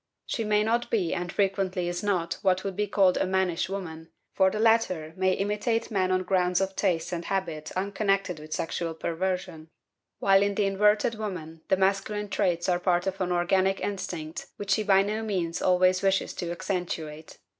She may not be, and frequently is not, what would be called a "mannish" woman, for the latter may imitate men on grounds of taste and habit unconnected with sexual perversion, while in the inverted woman the masculine traits are part of an organic instinct which she by no means always wishes to accentuate.